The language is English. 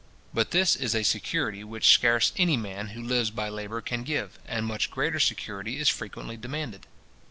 But this is a security which scarce any man who lives by labour can give; and much greater security is frequently demanded.